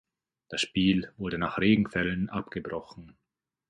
Das Spiel wurde nach Regenfällen abgebrochen.